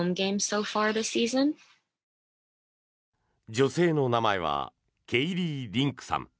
女性の名前はケイリー・リンクさん。